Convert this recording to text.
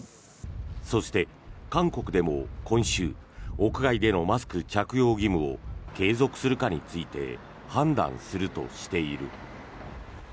そして、韓国でも今週屋外でのマスク着用義務を継続するかについて判断するとしている。